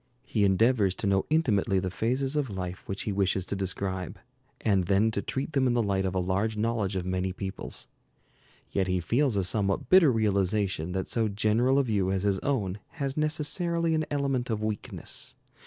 He endeavors to know intimately the phases of life which he wishes to describe, and then to treat them in the light of a large knowledge of many peoples. Yet he feels a somewhat bitter realization that so general a view as his own has necessarily an element of weakness.